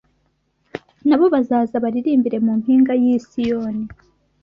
Nabo bazaza baririmbire mu mpinga y’i Siyoni